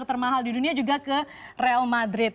termahal di dunia juga ke real madrid